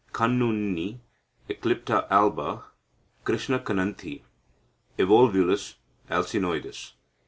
Kannunni (Eclipta alba). Krishnakananthi (Evolvulus alsinoides).